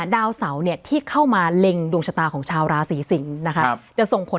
ดาวเสาเนี่ยที่เข้ามาเล็งดวงชะตาของชาวราศีสิงศ์นะคะจะส่งผล